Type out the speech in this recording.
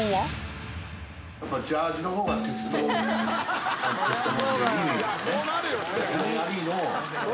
やっぱジャージの方がテツトモ。